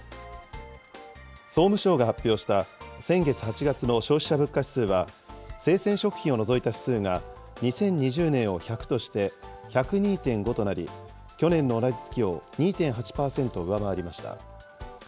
総務省が発表した先月・８月の消費者物価指数は、生鮮食品を除いた指数が２０２０年を１００として１０２．５となり、去年の同じ月を２．８％上回りました。